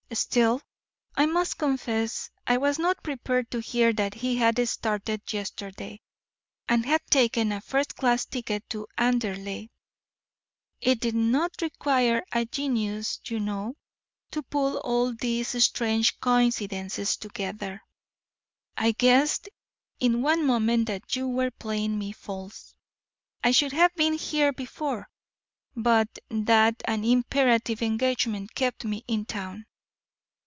Still, I must confess, I was not prepared to hear that he had started yesterday, and had taken a first class ticket to Anderley. It did not require a genius, you know, to put all these strange coincidences together. I guessed in one moment that you were playing me false. I should have been here before, but that an imperative engagement kept me in town.